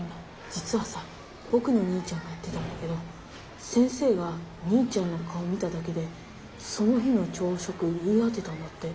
じつはさぼくのお兄ちゃんが言ってたんだけど先生がお兄ちゃんの顔を見ただけでその日の朝食を言い当てたんだって。